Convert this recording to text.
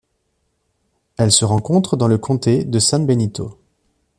Elle se rencontre dans le comté de San Benito.